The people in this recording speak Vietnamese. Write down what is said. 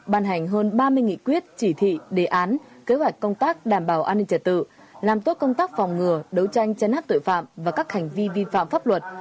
ban hành hơn ba mươi nghị quyết chỉ thị đề án kế hoạch công tác đảm bảo an ninh trật tự làm tốt công tác phòng ngừa đấu tranh chấn áp tội phạm và các hành vi vi phạm pháp luật